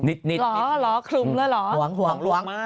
หนิดหรอ้ะหรอขลึมด้วยเหรอ